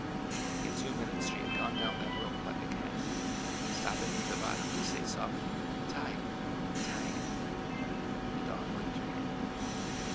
In two minutes she had gone down that rope like a cat, stopping near the bottom to say softly, "Tige! Tige!'' The dog licked her hand.